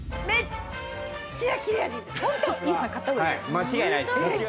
間違いないです。